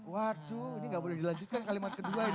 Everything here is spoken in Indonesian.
waduh ini nggak boleh dilanjutkan kalimat kedua ini